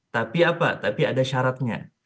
tapi apa tapi ada syaratnya